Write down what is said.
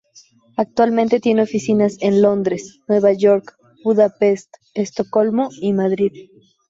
Actualmente tiene oficinas en Londres, Nueva York, Budapest, Estocolmo, y Madrid.